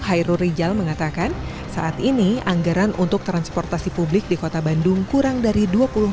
hairul rijal mengatakan saat ini anggaran untuk transportasi publik di kota bandung kurang dari dua puluh miliar rupiah per tahun